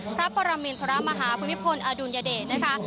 พระปรมินทรมาฮาภูมิพลอดุลยเดชนะคะ